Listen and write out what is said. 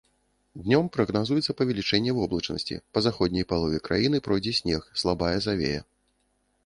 Днём прагназуецца павелічэнне воблачнасці, па заходняй палове краіны пройдзе снег, слабая завея.